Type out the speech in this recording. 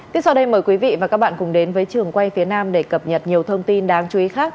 tiếp sau đây mời quý vị và các bạn cùng đến với trường quay phía nam để cập nhật nhiều thông tin đáng chú ý khác